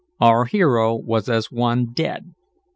Our hero was as one dead.